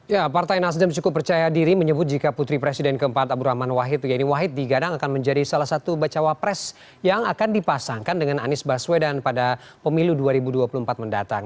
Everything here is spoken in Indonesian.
ya partai nasdem cukup percaya diri menyebut jika putri presiden keempat abdurrahman wahid yeni wahid digadang akan menjadi salah satu bacawa pres yang akan dipasangkan dengan anies baswedan pada pemilu dua ribu dua puluh empat mendatang